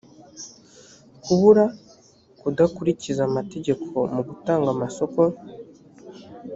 kubura kudakurikiza amategeko mu gutanga amasoko